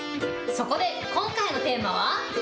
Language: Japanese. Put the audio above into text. そこで、今回のテーマは。